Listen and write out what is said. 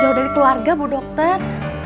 jauh dari keluarga bu dokter